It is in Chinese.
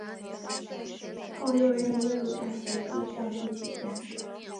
后又任耶鲁大学驻校作曲家。